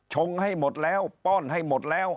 งให้หมดแล้วป้อนให้หมดแล้ว